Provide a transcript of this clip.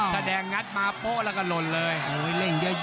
ถ้าแดงงัดมาโป๊ะแล้วก็หล่นเลย